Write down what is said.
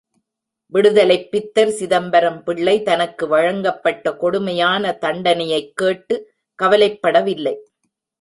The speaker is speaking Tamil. விடுதலைப் பித்தர் சிதம்பரம் பிள்ளை தனக்கு வழங்கப்பட்ட கொடுமையான தண்டனையைக் கேட்டு கவலைப்படவில்லை.